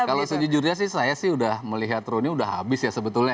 kalau sejujurnya saya sudah melihat rooney sudah habis ya sebetulnya